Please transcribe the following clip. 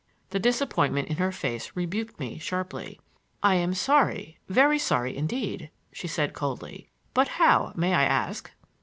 The disappointment in her face rebuked me sharply. "I am sorry, very sorry, indeed," she said coldly. "But how, may I ask?"